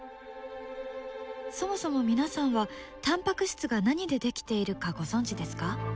そもそも皆さんはタンパク質が何で出来ているかご存じですか？